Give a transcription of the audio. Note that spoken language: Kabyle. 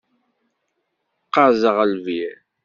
Qqazeɣ lbir.